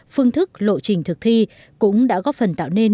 phương thức lộ trình thực thi cũng đã góp phần tạo nên